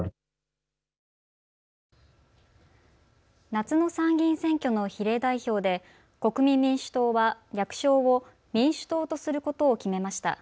夏の参議院選挙の比例代表で国民民主党は略称を民主党とすることを決めました。